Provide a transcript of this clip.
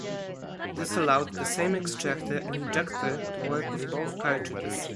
This allowed the same extractor and ejector to work with both cartridges.